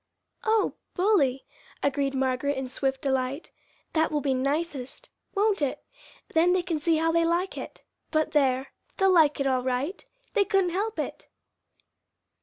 "O bully!" agreed Margaret in swift delight. "That will be nicest; won't it? Then they can see how they like it but there! they'll like it all right. They couldn't help it."